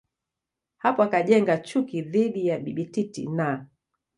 hapo akajenga chuki dhidi ya Bibi Titi na